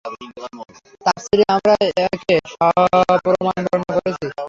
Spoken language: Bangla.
তাফসীরে আমরা একে সপ্রমাণ বর্ণনা করেছি।